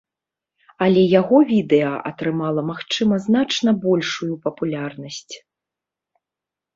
Але яго відэа атрымала, магчыма, значна большую папулярнасць.